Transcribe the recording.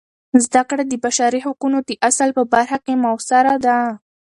زده کړه د بشري حقونو د اصل په برخه کې مؤثره ده.